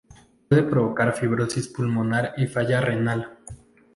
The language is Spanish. Puede provocar fibrosis pulmonar y falla renal.